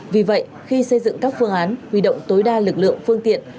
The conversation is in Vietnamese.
vì vậy khi xây dựng các phương án huy động tối đa lực lượng phương tiện